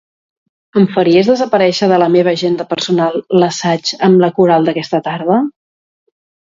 Em faries desaparèixer de la meva agenda personal l'assaig amb la coral d'aquesta tarda?